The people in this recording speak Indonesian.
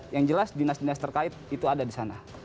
yang jelas dinas dinas terkait itu ada di sana